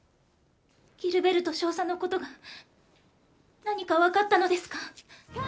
ギルベルト少佐のことが、何か分かったのですか？